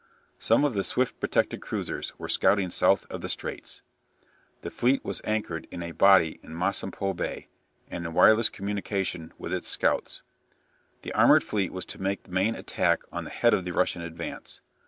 Some of the swift protected cruisers were scouting south of the straits. The fleet was anchored in a body in Masampho Bay, and in wireless communication with its scouts. The armoured fleet was to make the main attack on the head of the Russian advance.